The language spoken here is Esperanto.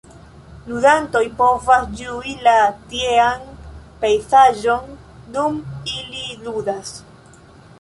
Ludantoj povas ĝui la tiean pejzaĝon, dum ili ludas.